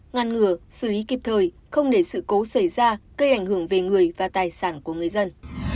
ngăn ngừa xử lý kịp thời không để sự cố xảy ra gây ảnh hưởng về người và tài sản của người dân